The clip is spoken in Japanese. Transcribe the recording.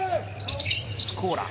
スコーラ。